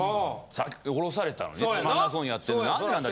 降ろされたのにつまんなそうにやってなんでなんだ？